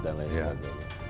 dan lain sebagainya